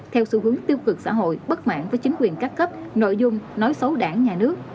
theo xu hướng tiêu cực xã hội bất mãn với chính quyền các cấp nội dung nói xấu đảng nhà nước